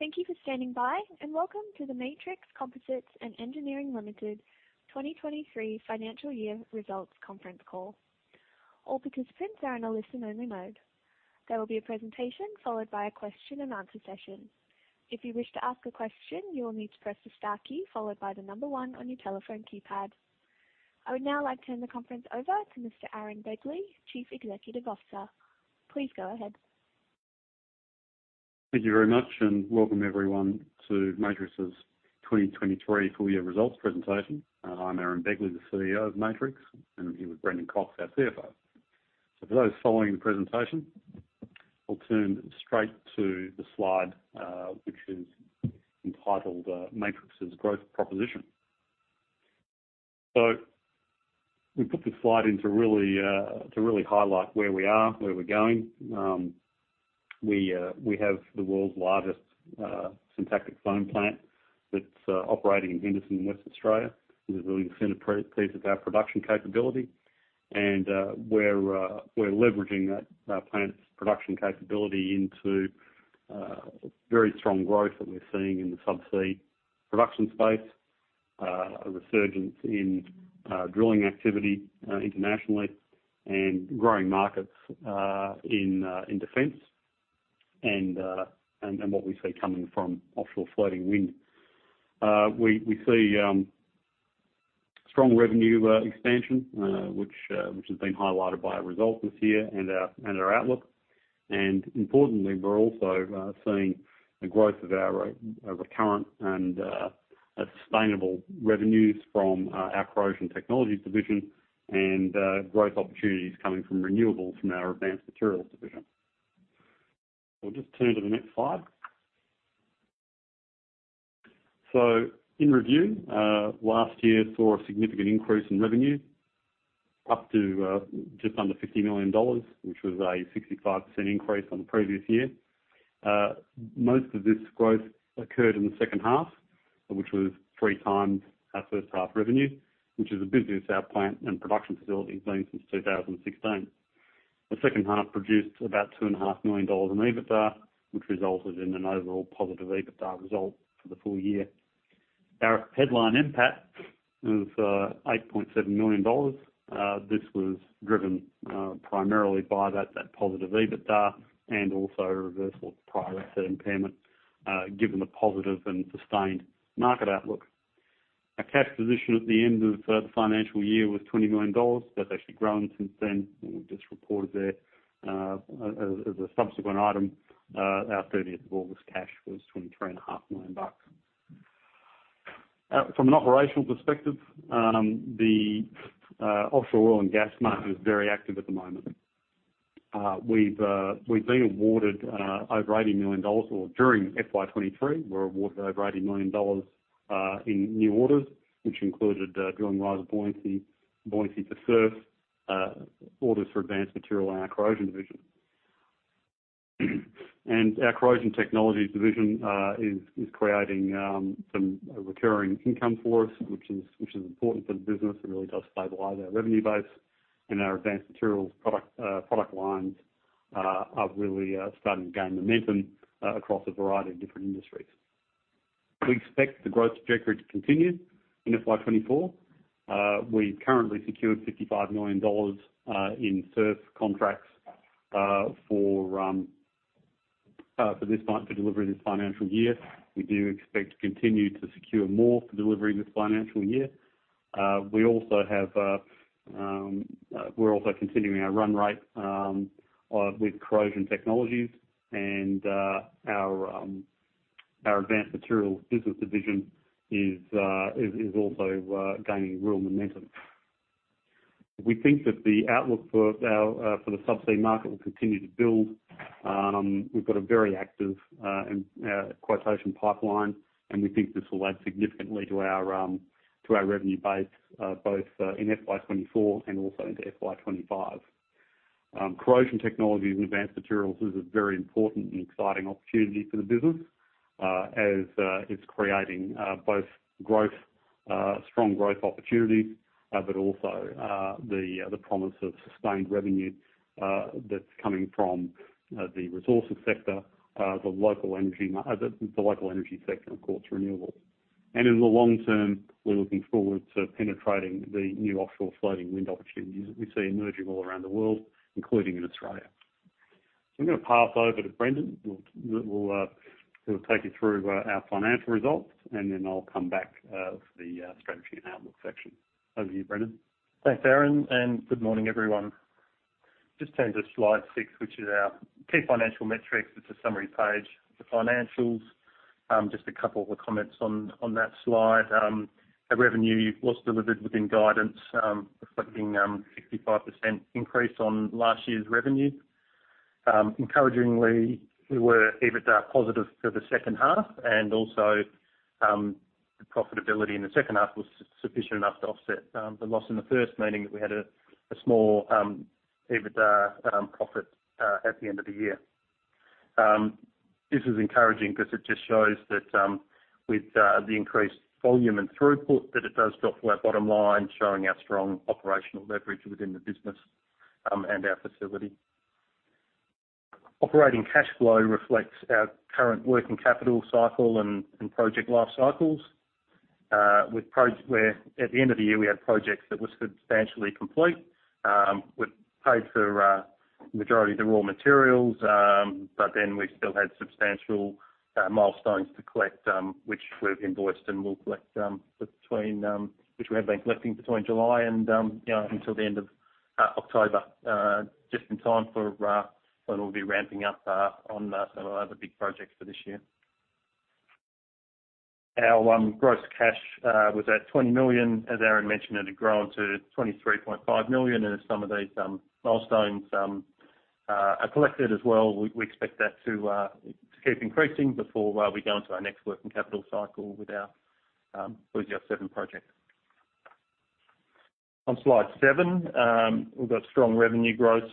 Thank you for standing by, and welcome to the Matrix Composites & Engineering Limited 2023 financial year results conference call. All participants are in a listen-only mode. There will be a presentation followed by a question and answer session. If you wish to ask a question, you will need to press the star key followed by the number one on your telephone keypad. I would now like to turn the conference over to Mr Aaron Begley, Chief Executive Officer. Please go ahead. Thank you very much. Welcome everyone to Matrix's 2023 full year results presentation. I'm Aaron Begley, the CEO of Matrix, and I'm here with Brendan Cox, our CFO. For those following the presentation, I'll turn straight to the slide, which is entitled, "Matrix's Growth Proposition." We put this slide in to really highlight where we are, where we're going. We have the world's largest syntactic foam plant that's operating in Henderson, West Australia, and is really the centerpiece of our production capability. We're leveraging that plant's production capability into very strong growth that we're seeing in the subsea production space, a resurgence in drilling activity internationally, and growing markets in defense and what we see coming from offshore floating wind. We see strong revenue expansion, which has been highlighted by our results this year and our outlook. Importantly, we're also seeing the growth of our recurrent and sustainable revenues from our Corrosion Protection division and growth opportunities coming from renewables from our Advanced Materials division. We'll just turn to the next slide. In review, last year saw a significant increase in revenue up to just under 50 million dollars, which was a 65% increase on the previous year. Most of this growth occurred in the second half, which was three times our first half revenue, which is the busiest our plant and production facility has been since 2016. The second half produced about 2.5 million dollars in EBITDA, which resulted in an overall positive EBITDA result for the full year. Our headline NPAT was 8.7 million dollars. This was driven primarily by that positive EBITDA and also a reversal of prior asset impairment, given the positive and sustained market outlook. Our cash position at the end of the financial year was 20 million dollars. That's actually grown since then. We've just reported there as a subsequent item. Our 30th of August cash was 23.5 million bucks. From an operational perspective, the offshore oil and gas market is very active at the moment. During FY 2023, we were awarded over 80 million dollars in new orders, which included drilling riser buoyancy to SURF, orders for Advanced Materials, and our Corrosion Protection division. Our Corrosion Protection division is creating some recurring income for us, which is important for the business. It really does stabilize our revenue base and our Advanced Materials product lines are really starting to gain momentum across a variety of different industries. We expect the growth trajectory to continue in FY 2024. We currently secured 55 million dollars in SURF contracts for delivery this financial year. We do expect to continue to secure more for delivery this financial year. We're also continuing our run rate, with Corrosion Protection and our Advanced Materials business division is also gaining real momentum. We think that the outlook for the subsea market will continue to build. We've got a very active quotation pipeline. We think this will add significantly to our revenue base, both in FY 2024 and also into FY 2025. Corrosion Protection and Advanced Materials is a very important and exciting opportunity for the business, as it's creating both strong growth opportunities, but also the promise of sustained revenue that's coming from the resources sector, the local energy sector, and of course, renewables. In the long term, we're looking forward to penetrating the new offshore floating wind opportunities that we see emerging all around the world, including in Australia. I'm going to pass over to Brendan, who will take you through our financial results, and then I'll come back for the strategy and outlook section. Over to you, Brendan. Thanks, Aaron, and good morning, everyone. Turn to slide six, which is our key financial metrics. It's a summary page, the financials. A couple of comments on that slide. Our revenue was delivered within guidance, reflecting 65% increase on last year's revenue. Encouragingly, we were EBITDA positive for the second half, and also profitability in the second half was sufficient enough to offset the loss in the first, meaning that we had a small EBITDA profit at the end of the year. This is encouraging because it just shows that with the increased volume and throughput, that it does drop to our bottom line, showing our strong operational leverage within the business. Our facility operating cash flow reflects our current working capital cycle and project life cycles, where at the end of the year, we had projects that were substantially complete. We'd paid for a majority of the raw materials, but then we still had substantial milestones to collect, which we've invoiced and we'll collect, which we have been collecting between July and until the end of October. Just in time for when we'll be ramping up on some of the other big projects for this year. Our gross cash was at 20 million, as Aaron mentioned, it had grown to 23.5 million in some of these milestones are collected as well. We expect that to keep increasing before we go into our next working capital cycle with the F07 project. On slide seven, we've got strong revenue growth.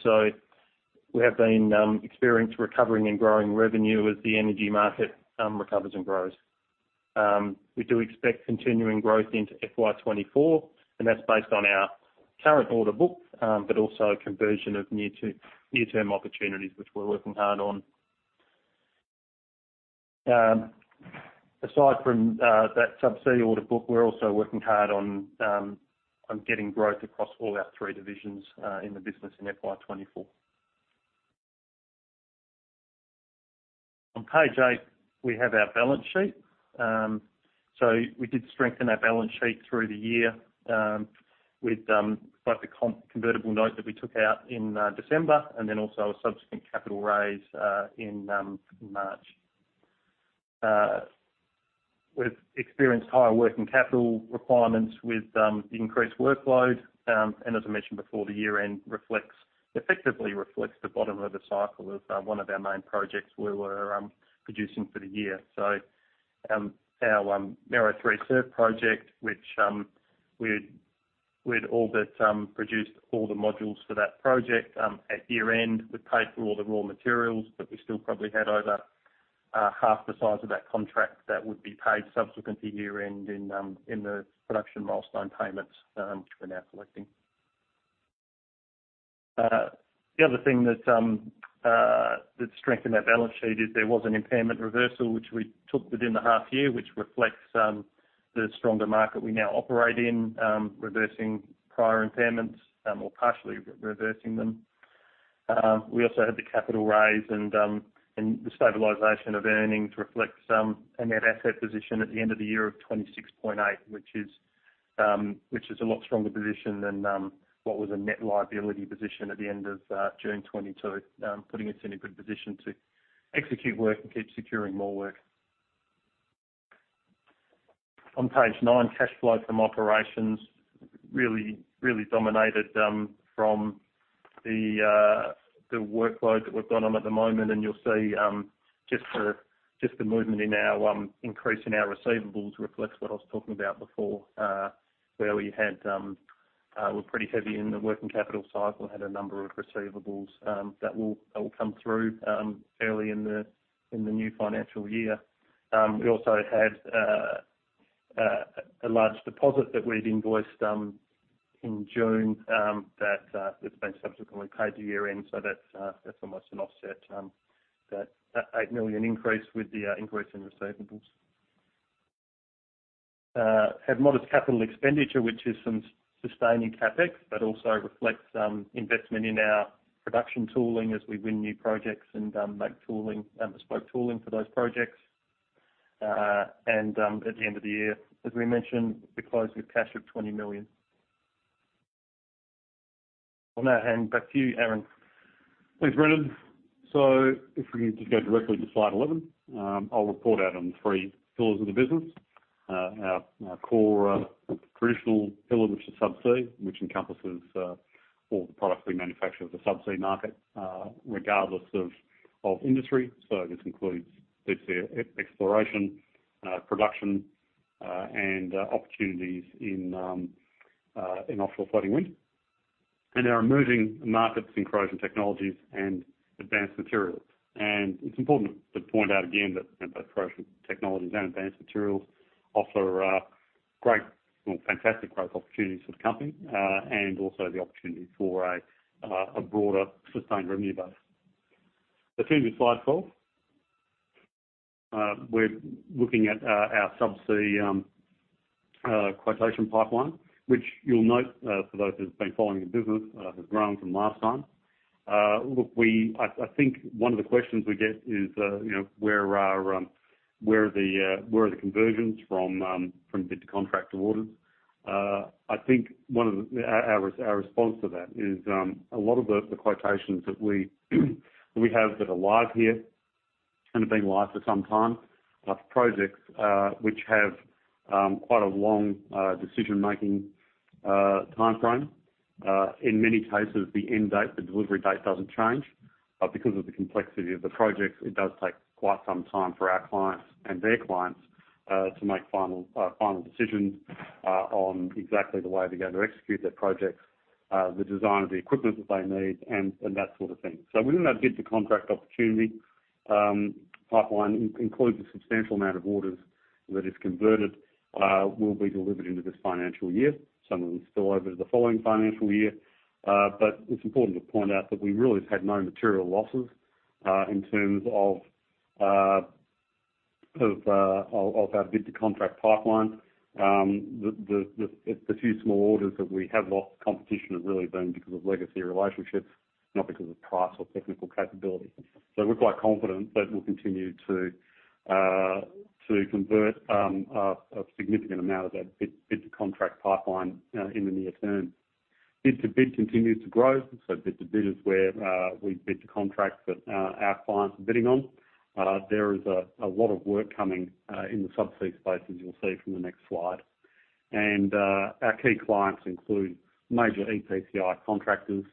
We have been experienced recovering and growing revenue as the energy market recovers and grows. We do expect continuing growth into FY 2024, and that's based on our current order book, but also a conversion of near-term opportunities, which we're working hard on. Aside from that subsea order book, we're also working hard on getting growth across all our three divisions in the business in FY 2024. On page eight, we have our balance sheet. We did strengthen our balance sheet through the year, with quite the convertible note that we took out in December, and then also a subsequent capital raise in March. We've experienced higher working capital requirements with the increased workload, and as I mentioned before, the year-end effectively reflects the bottom of the cycle of one of our main projects we were producing for the year. Our Mero 3 SURF project, which we'd all but produced all the modules for that project at year-end. We'd paid for all the raw materials, but we still probably had over half the size of that contract that would be paid subsequent to year-end in the production milestone payments, which we're now collecting. The other thing that strengthened our balance sheet is there was an impairment reversal, which we took within the half year, which reflects the stronger market we now operate in, reversing prior impairments or partially reversing them. We also had the capital raise and the stabilization of earnings reflects a net asset position at the end of the year of 26.8, which is a lot stronger position than what was a net liability position at the end of June 2022, putting us in a good position to execute work and keep securing more work. On page nine, cash flow from operations really dominated from the workload that we've got on at the moment. You'll see just the movement in our increase in our receivables reflects what I was talking about before, where we were pretty heavy in the working capital cycle and had a number of receivables that will come through early in the new financial year. We also had a large deposit that we'd invoiced in June that has been subsequently paid to year-end. That's almost an offset, that 8 million increase with the increase in receivables. Had modest capital expenditure, which is some sustaining CapEx, but also reflects investment in our production tooling as we win new projects and make bespoke tooling for those projects. At the end of the year, as we mentioned, we closed with cash of 20 million. On that, hand back to you, Aaron. Thanks, Brendan. If we can just go directly to slide 11, I'll report out on the three pillars of the business. Our core traditional pillar, which is subsea, which encompasses all the products we manufacture as a subsea market, regardless of industry. This includes subsea exploration, production, and opportunities in offshore floating wind. Our emerging markets in corrosion technologies and Advanced Materials. It's important to point out again that both corrosion technologies and Advanced Materials offer fantastic growth opportunities for the company, and also the opportunity for a broader sustained revenue base. If you turn to slide 12, we're looking at our subsea quotation pipeline, which you'll note for those who've been following the business, has grown from last time. Look, I think one of the questions we get is where are the conversions from bid to contract to orders? I think our response to that is a lot of the quotations that we have that are live here and have been live for some time, are for projects which have quite a long decision-making timeframe. In many cases, the end date, the delivery date doesn't change. Because of the complexity of the projects, it does take quite some time for our clients and their clients to make final decisions on exactly the way they're going to execute their projects, the design of the equipment that they need and that sort of thing. Within that bid to contract opportunity pipeline includes a substantial amount of orders that is converted will be delivered into this financial year. Some of them spill over to the following financial year. It's important to point out that we really have had no material losses in terms of our bid to contract pipeline. The few small orders that we have lost to competition have really been because of legacy relationships, not because of price or technical capability. We're quite confident that we'll continue to convert a significant amount of that bid to contract pipeline in the near term. Bid to bid continues to grow. Bid to bid is where we bid to contracts that our clients are bidding on. There is a lot of work coming in the subsea space, as you'll see from the next slide. Our key clients include major EPCI contractors,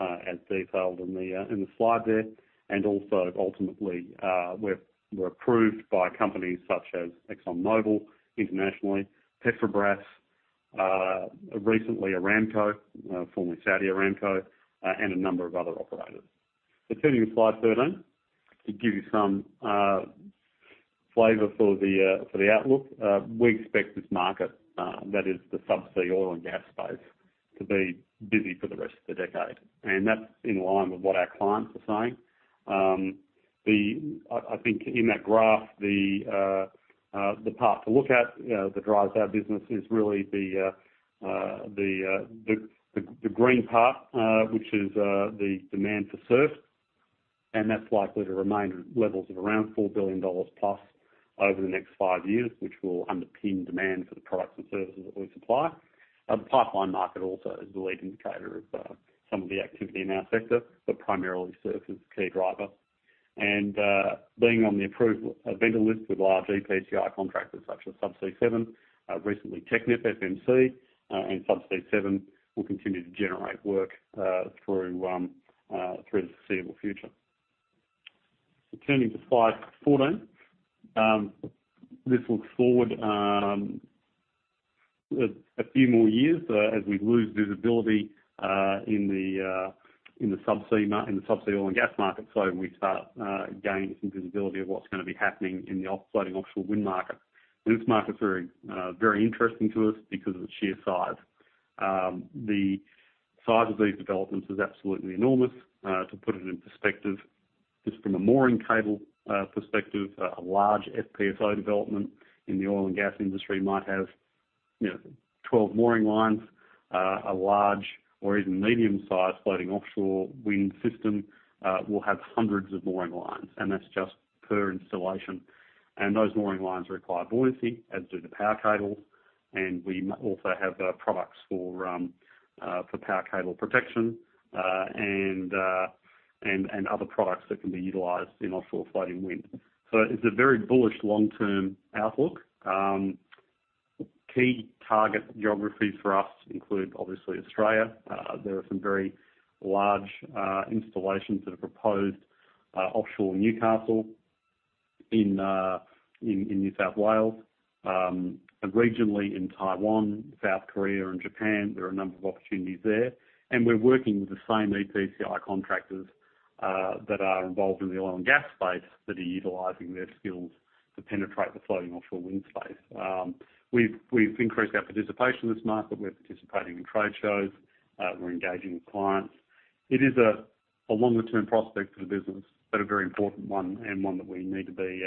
as detailed in the slide there, and also ultimately, we're approved by companies such as ExxonMobil internationally, Petrobras, recently Aramco, formerly Saudi Aramco, and a number of other operators. Turning to slide 13, to give you some flavor for the outlook. We expect this market, that is the subsea oil and gas space, to be busy for the rest of the decade. That's in line with what our clients are saying. I think in that graph, the part to look at that drives our business is really the green part, which is the demand for SURF. That's likely to remain at levels of around 4 billion dollars plus over the next five years, which will underpin demand for the products and services that we supply. The pipeline market also is a lead indicator of some of the activity in our sector, but primarily SURF is the key driver. Being on the approved vendor list with large EPCI contractors such as Subsea7, recently TechnipFMC and Subsea7, will continue to generate work through the foreseeable future. Turning to slide 14. This looks forward a few more years. As we lose visibility in the subsea oil and gas market, so we start gaining some visibility of what's going to be happening in the floating offshore wind market. This market's very interesting to us because of its sheer size. The size of these developments is absolutely enormous. To put it in perspective, just from a mooring cable perspective, a large FPSO development in the oil and gas industry might have 12 mooring lines. A large or even medium-sized floating offshore wind system will have hundreds of mooring lines, and that's just per installation. Those mooring lines require buoyancy, as do the power cables. We also have products for power cable protection and other products that can be utilized in offshore floating wind. It's a very bullish long-term outlook. Key target geographies for us include, obviously, Australia. There are some very large installations that are proposed offshore Newcastle in New South Wales. Regionally in Taiwan, South Korea and Japan, there are a number of opportunities there. We're working with the same EPCI contractors that are involved in the oil and gas space, that are utilizing their skills to penetrate the floating offshore wind space. We've increased our participation in this market. We're participating in trade shows. We're engaging with clients. It is a longer-term prospect for the business, but a very important one and one that we need to be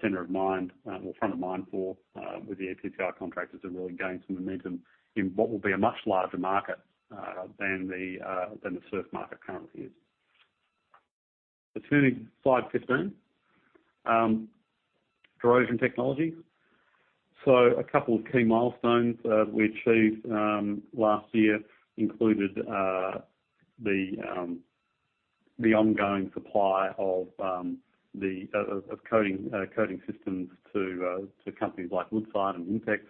center of mind or front of mind for, with the EPCI contractors who really gain some momentum in what will be a much larger market than the SURF market currently is. Turning to slide 15. Corrosion technology. A couple of key milestones we achieved last year included the ongoing supply of coating systems to companies like Woodside and Inpex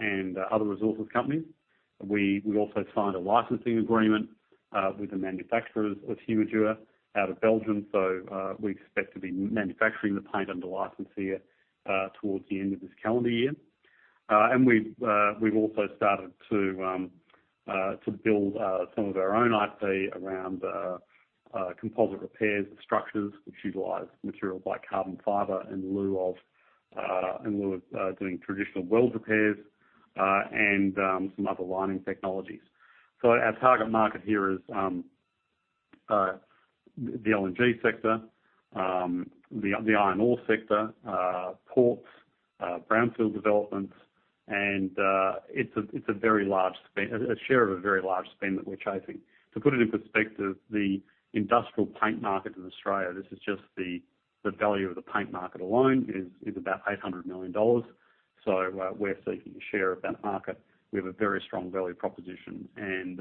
and other resources companies. We also signed a licensing agreement with the manufacturers of Humidur out of Belgium. We expect to be manufacturing the paint under license here towards the end of this calendar year. We've also started to build some of our own IP around composite repairs of structures which utilize materials like carbon fiber in lieu of doing traditional weld repairs, and some other lining technologies. Our target market here is the LNG sector, the iron ore sector, ports, brownfield developments, and it's a share of a very large spend that we're chasing. To put it in perspective, the industrial paint market in Australia, this is just the value of the paint market alone, is about 800 million dollars. We're seeking a share of that market. We have a very strong value proposition and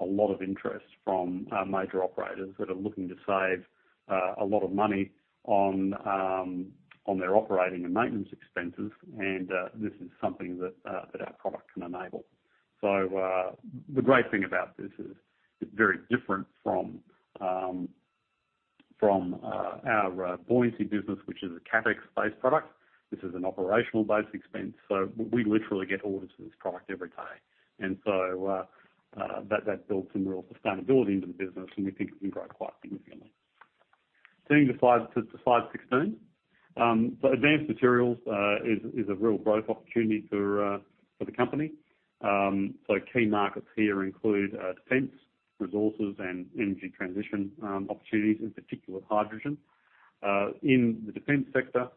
a lot of interest from major operators that are looking to save a lot of money on their operating and maintenance expenses, and this is something that our product can enable. The great thing about this is it's very different from our buoyancy business, which is a CapEx-based product. This is an operational-based expense, we literally get orders for this product every day. That builds some real sustainability into the business, and we think it can grow quite significantly. Turning to slide 16. Advanced Materials is a real growth opportunity for the company. Key markets here include defense, resources, and energy transition opportunities, in particular, hydrogen. In the defense sector,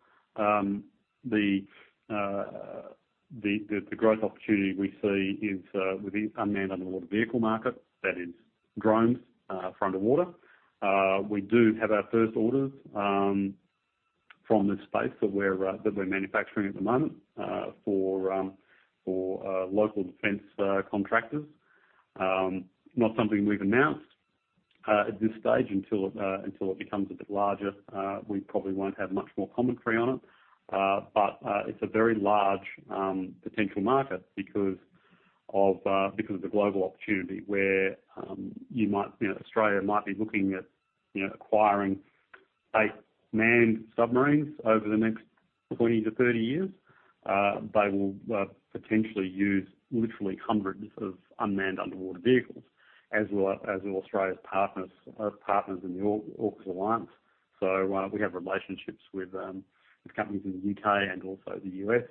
the growth opportunity we see is with the unmanned underwater vehicle market, that is drones for underwater. We do have our first orders from this space that we're manufacturing at the moment for local defense contractors. Not something we've announced at this stage. Until it becomes a bit larger, we probably won't have much more commentary on it. It's a very large potential market because of the global opportunity where Australia might be looking at acquiring state manned submarines over the next 20-30 years. They will potentially use literally hundreds of unmanned underwater vehicles, as will Australia's partners in the AUKUS alliance. We have relationships with companies in the U.K. and also the U.S.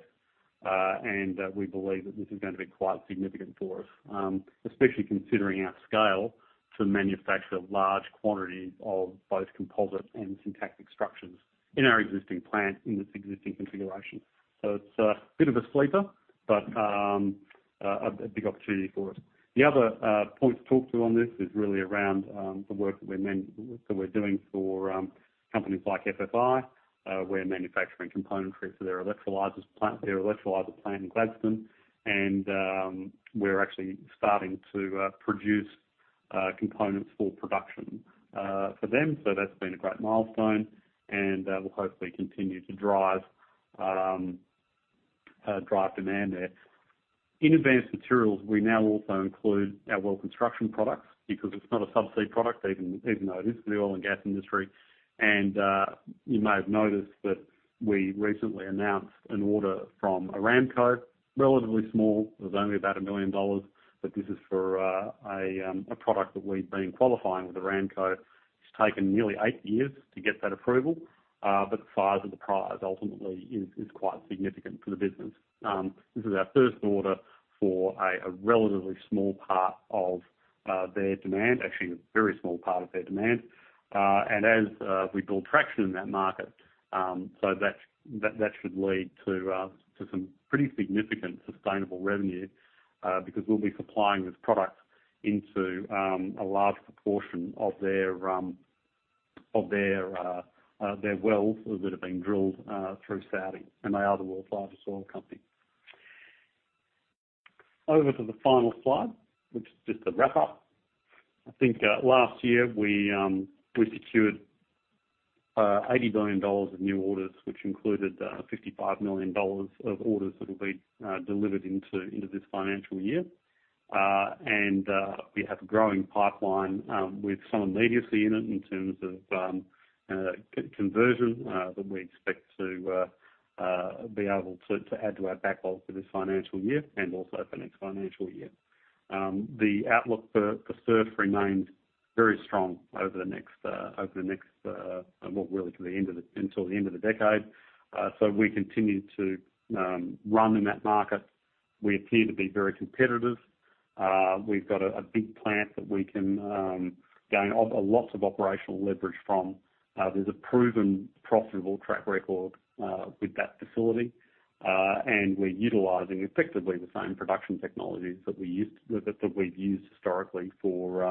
We believe that this is going to be quite significant for us, especially considering our scale to manufacture large quantities of both composite and syntactic structures in our existing plant in this existing configuration. It's a bit of a sleeper, but a big opportunity for us. The other point to talk to on this is really around the work that we're doing for companies like FFI. We're manufacturing componentry for their electrolyzer plant in Gladstone, we're actually starting to produce components for production for them. That's been a great milestone, and we'll hopefully continue to drive demand there. In Advanced Materials, we now also include our well construction products because it's not a subsea product, even though it is for the oil and gas industry. You may have noticed that we recently announced an order from Aramco. Relatively small, it was only about 1 million dollars, this is for a product that we've been qualifying with Aramco. It's taken nearly eight years to get that approval, the size of the prize ultimately is quite significant for the business. This is our first order for a relatively small part of their demand, actually a very small part of their demand. As we build traction in that market, so that should lead to some pretty significant sustainable revenue, because we'll be supplying this product into a large proportion of their wells that have been drilled through Saudi, and they are the world's largest oil company. Over to the final slide, which is just a wrap-up. I think last year we secured 80 billion dollars of new orders, which included 55 million dollars of orders that will be delivered into this financial year. We have a growing pipeline with some immediacy in it in terms of conversion that we expect to be able to add to our backlog for this financial year and also for next financial year. The outlook for SURF remains very strong over the next, well, really until the end of the decade. We continue to run in that market. We appear to be very competitive. We've got a big plant that we can gain lots of operational leverage from. There's a proven profitable track record with that facility. We're utilizing effectively the same production technologies that we've used historically for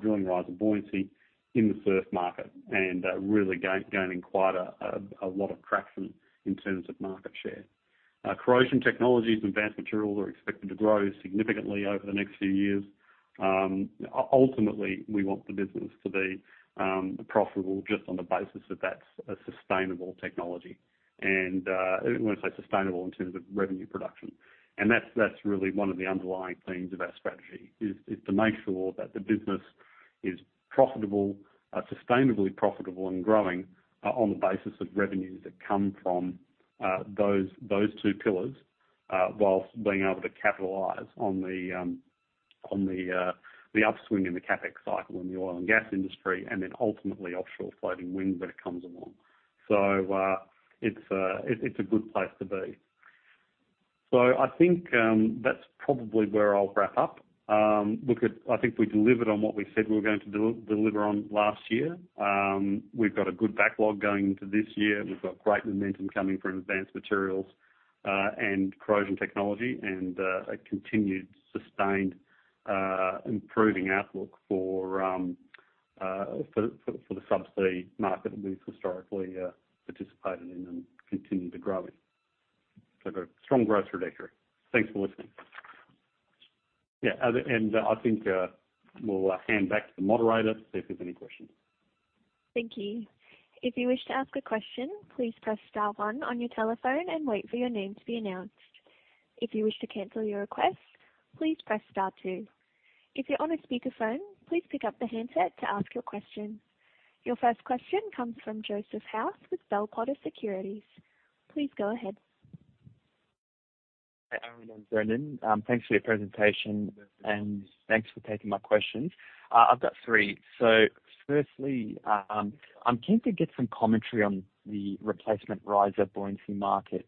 drilling riser buoyancy in the SURF market and really gaining quite a lot of traction in terms of market share. Corrosion Protection and Advanced Materials are expected to grow significantly over the next few years. Ultimately, we want the business to be profitable just on the basis that that's a sustainable technology, and I want to say sustainable in terms of revenue production. That's really one of the underlying themes of our strategy. Is to make sure that the business is profitable, sustainably profitable and growing, on the basis of revenues that come from those two pillars, whilst being able to capitalize on the upswing in the CapEx cycle in the oil and gas industry, and then ultimately offshore floating wind when it comes along. It's a good place to be. I think that's probably where I'll wrap up. I think we delivered on what we said we were going to deliver on last year. We've got a good backlog going into this year. We've got great momentum coming from Advanced Materials and Corrosion Protection and a continued sustained, improving outlook for the subsea market that we've historically participated in and continue to grow in. A strong growth trajectory. Thanks for listening. I think we'll hand back to the moderator, see if there's any questions. Thank you. If you wish to ask a question, please press star one on your telephone and wait for your name to be announced. If you wish to cancel your request, please press star two. If you're on a speakerphone, please pick up the handset to ask your question. Your first question comes from Joseph House with Bell Potter Securities. Please go ahead. Hi, Aaron and Brendan. Thanks for your presentation and thanks for taking my questions. I've got three. Firstly, I'm keen to get some commentary on the replacement riser buoyancy market.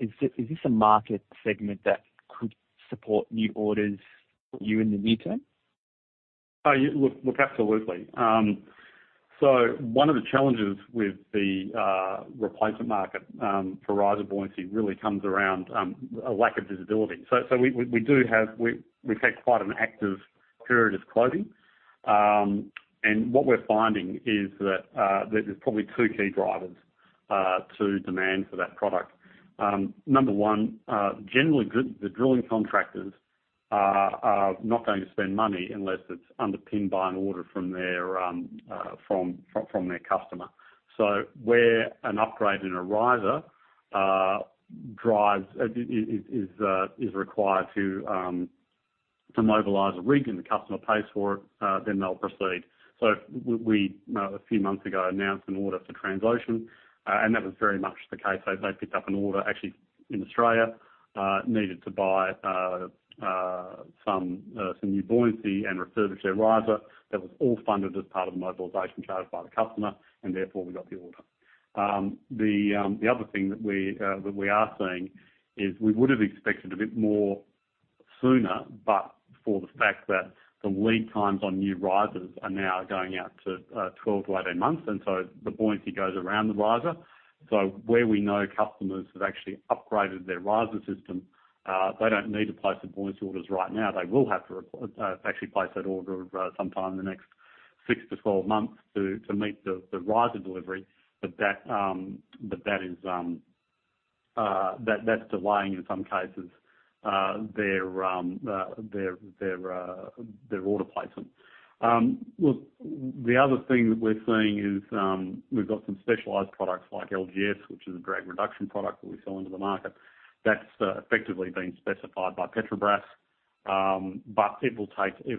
Is this a market segment that could support new orders for you in the near term? Look, absolutely. One of the challenges with the replacement market for riser buoyancy really comes around a lack of visibility. We've had quite an active period of closing. What we're finding is that there's probably two key drivers to demand for that product. Number one, generally, the drilling contractors are not going to spend money unless it's underpinned by an order from their customer. Where an upgrade and a riser is required to mobilize a rig and the customer pays for it, then they'll proceed. We, a few months ago, announced an order for Transocean, and that was very much the case. They picked up an order actually in Australia, needed to buy some new buoyancy and refurbish their riser. That was all funded as part of the mobilization charge by the customer, and therefore we got the order. The other thing that we are seeing is we would have expected a bit more sooner, for the fact that the lead times on new risers are now going out to 12-18 months. The buoyancy goes around the riser. Where we know customers have actually upgraded their riser system, they don't need to place the buoyancy orders right now. They will have to actually place that order sometime in the next 6-12 months to meet the riser delivery. That's delaying, in some cases, their order placement. Look, the other thing that we're seeing is we've got some specialized products like LGS, which is a drag reduction product that we sell into the market. That's effectively been specified by Petrobras, it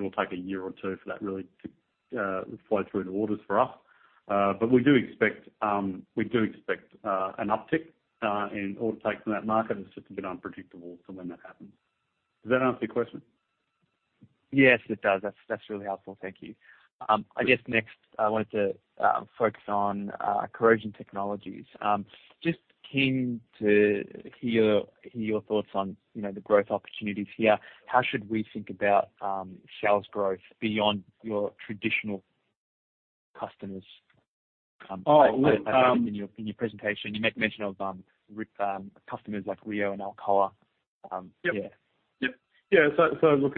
will take a year or two for that really to flow through to orders for us. We do expect an uptick in order take from that market. It's just a bit unpredictable for when that happens. Does that answer your question? Yes, it does. That's really helpful. Thank you. Yep. I guess next I wanted to focus on corrosion technologies. Just keen to hear your thoughts on the growth opportunities here. How should we think about sales growth beyond your traditional customers? Oh, well- In your presentation, you make mention of customers like Rio and Alcoa. Yep. Look,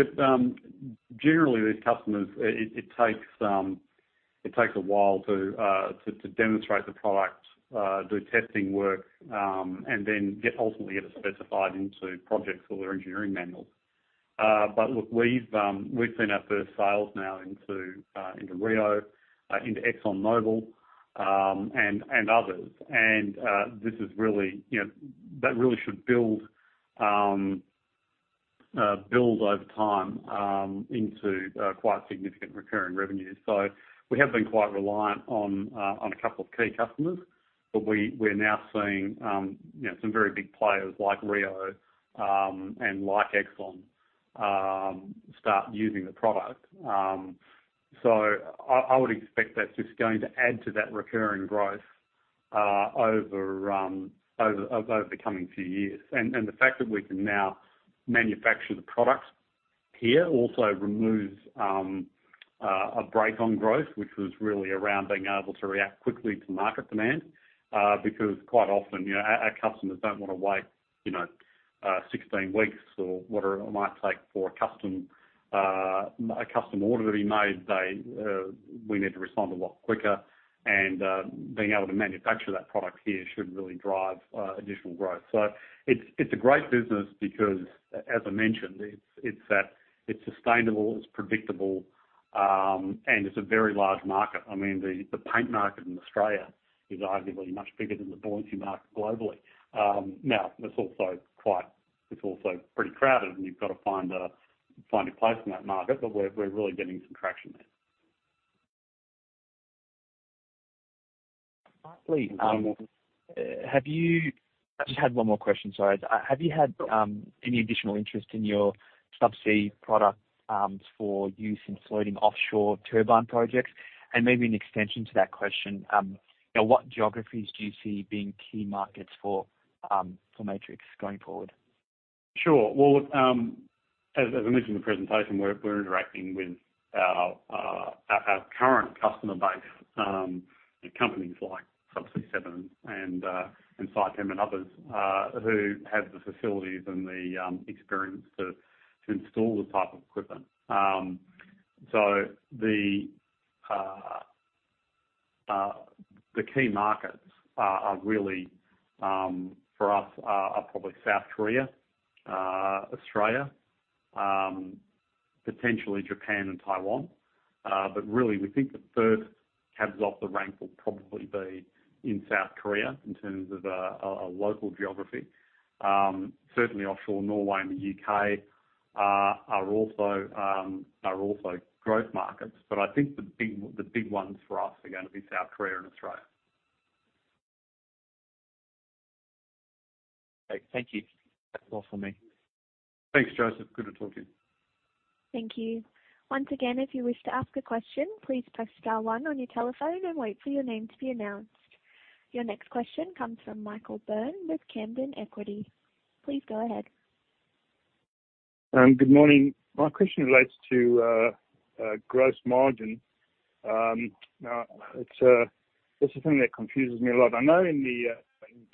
generally these customers, it takes a while to demonstrate the product, do testing work, and then ultimately get it specified into projects or their engineering manuals. Look, we've seen our first sales now into Rio, into ExxonMobil, and others. That really should build over time into quite significant recurring revenue. We have been quite reliant on a couple of key customers, but we're now seeing some very big players like Rio and like Exxon start using the product. I would expect that's just going to add to that recurring growth over the coming few years. The fact that we can now manufacture the product here also removes a brake on growth, which was really around being able to react quickly to market demand, because quite often our customers don't want to wait 16 weeks or whatever it might take for a custom order to be made. We need to respond a lot quicker, being able to manufacture that product here should really drive additional growth. It's a great business because, as I mentioned, it's sustainable, it's predictable, and it's a very large market. The paint market in Australia is arguably much bigger than the buoyancy market globally. It's also pretty crowded, and you've got to find a place in that market, but we're really getting some traction there. Lastly, I just had one more question, sorry. Have you had any additional interest in your subsea products for use in floating offshore turbine projects? Maybe an extension to that question, what geographies do you see being key markets for Matrix going forward? Sure. Well, look, as I mentioned in the presentation, we're interacting with our current customer base, companies like Subsea7 and Saipem and others who have the facilities and the experience to install this type of equipment. The key markets are really, for us, are probably South Korea, Australia, potentially Japan and Taiwan. Really, we think the first cabs off the rank will probably be in South Korea in terms of a local geography. Certainly offshore Norway and the U.K. Are also growth markets, but I think the big ones for us are going to be South Korea and Australia. Okay. Thank you. That's all for me. Thanks, Joseph. Good talking. Thank you. Once again, if you wish to ask a question, please press star one on your telephone and wait for your name to be announced. Your next question comes from Michael Byrne with Canaccord Genuity. Please go ahead. Good morning. My question relates to gross margin. This is something that confuses me a lot. I know in 2010,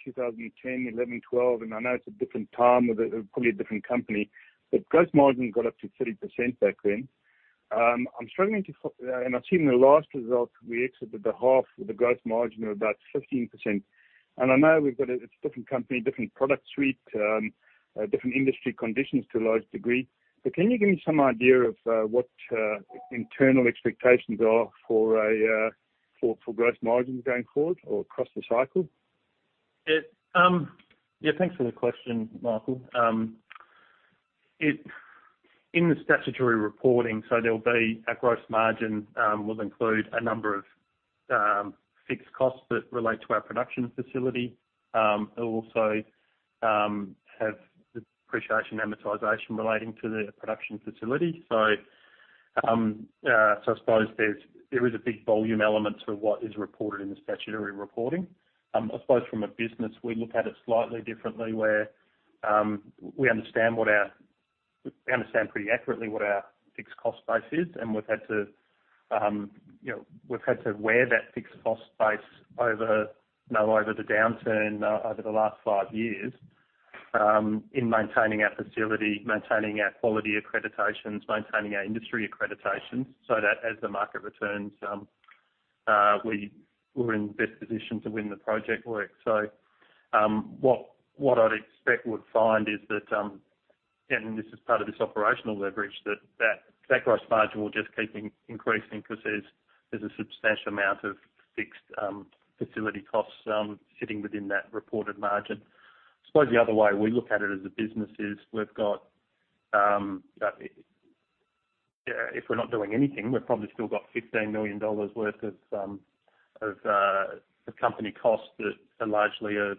2011, 2012, and I know it's a different time with probably a different company, but gross margin got up to 30% back then. I'm struggling. I've seen the last result we exited the half with a gross margin of about 15%. I know it's a different company, different product suite, different industry conditions to a large degree. Can you give me some idea of what internal expectations are for gross margin going forward or across the cycle? Thanks for the question, Michael. In the statutory reporting, there'll be a gross margin, we'll include a number of fixed costs that relate to our production facility, and we'll also have the depreciation amortization relating to the production facility. I suppose there is a big volume element to what is reported in the statutory reporting. I suppose from a business, we look at it slightly differently where we understand pretty accurately what our fixed cost base is, and we've had to wear that fixed cost base over the downturn over the last five years in maintaining our facility, maintaining our quality accreditations, maintaining our industry accreditations so that as the market returns, we're in the best position to win the project work. What I'd expect we'll find is that, again, this is part of this operational leverage, that gross margin will just keep increasing because there's a substantial amount of fixed facility costs sitting within that reported margin. I suppose the other way we look at it as a business is we've got, if we're not doing anything, we've probably still got 15 million dollars worth of company costs that are largely a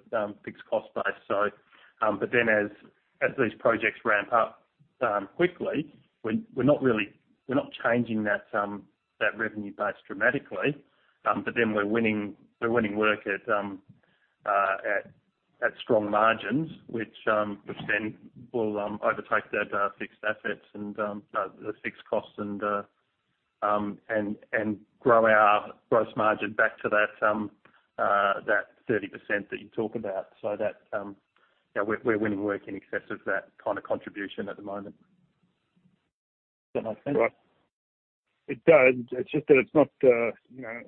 fixed cost base. As these projects ramp up quickly, we're not changing that revenue base dramatically. We're winning work at strong margins, which then will overtake the fixed costs and grow our gross margin back to that 30% that you talk about, so that we're winning work in excess of that kind of contribution at the moment. It does. It's just that it's not, and I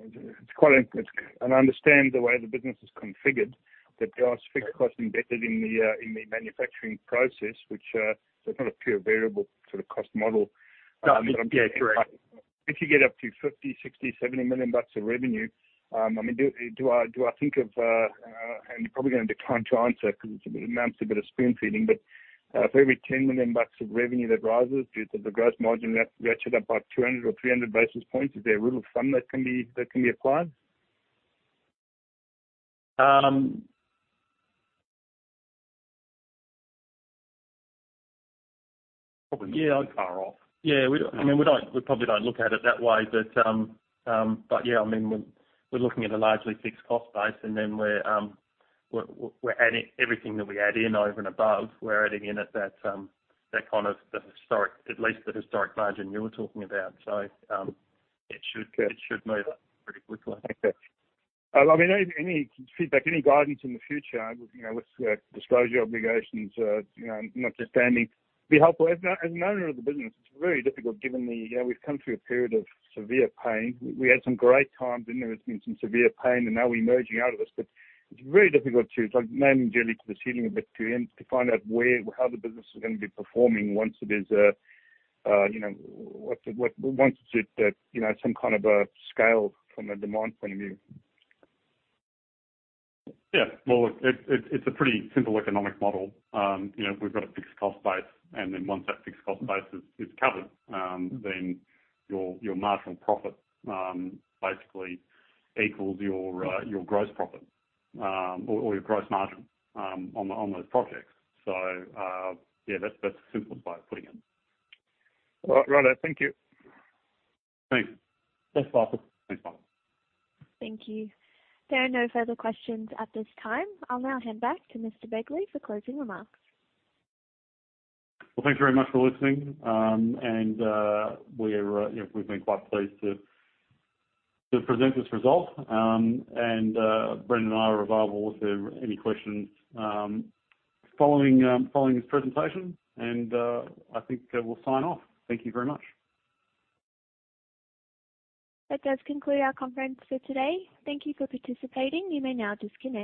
understand the way the business is configured, that there are fixed costs embedded in the manufacturing process, which is not a pure variable sort of cost model. Yeah, correct. If you get up to 50 million, 60 million, 70 million bucks of revenue, do I think of, and you're probably gonna decline to answer because it amounts a bit of spoon-feeding, for every 10 million bucks of revenue that rises, does the gross margin ratchet up by 200 or 300 basis points? Is there a rule of thumb that can be applied? Probably, yeah. Far off. Yeah. We probably don't look at it that way, but yeah, we're looking at a largely fixed cost base and then everything that we add in over and above, we're adding in at that kind of the historic, at least the historic margin you were talking about. It should move up pretty quickly. Any feedback, any guidance in the future, with disclosure obligations notwithstanding, be helpful. As an owner of the business, it's very difficult given we've come through a period of severe pain. We had some great times, and there has been some severe pain, and now we're emerging out of this. It's very difficult. It's like nailing jelly to the ceiling a bit to find out how the business is going to be performing once it is at some kind of a scale from a demand point of view. Yeah. Well, it's a pretty simple economic model. We've got a fixed cost base, and then once that fixed cost base is covered, then your marginal profit basically equals your gross profit or your gross margin on those projects. Yeah, that's the simplest way of putting it. All right. Thank you. Thanks. Thanks, Michael. Thanks, Michael. Thank you. There are no further questions at this time. I'll now hand back to Mr. Begley for closing remarks. Well, thanks very much for listening. We've been quite pleased to present this result. Brendan and I are available if there are any questions following this presentation. I think we'll sign off. Thank you very much. That does conclude our conference for today. Thank you for participating. You may now disconnect.